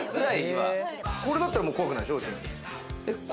これだったら怖くないでしょ？